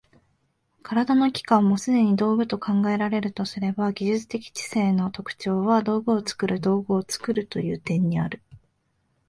身体の器官もすでに道具と考えられるとすれば、技術的知性の特徴は道具を作る道具を作るという点にある。